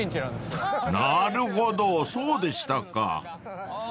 ［なるほどそうでしたか］